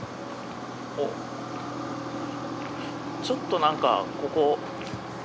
ちょっとなんかここ。